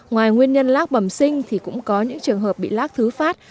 ngoài nguyên nhân lác bẩm sinh thì cũng có những trường hợp bị lác thứ phát